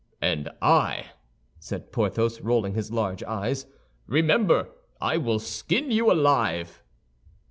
"And I," said Porthos, rolling his large eyes, "remember, I will skin you alive."